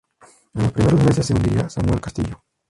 En los primeros meses se uniría Samuel Castillo.